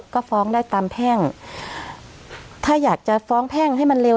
ก็ฟ้องได้ตามแพ่งถ้าอยากจะฟ้องแพ่งให้มันเร็ว